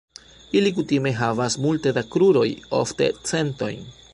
Ili kutime havas multe da kruroj, ofte centojn.